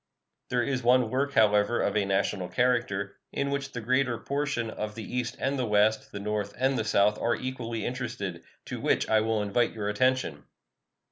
There is one work, however, of a national character, in which the greater portion of the East and the West, the North and the South, are equally interested, to which I will invite your attention.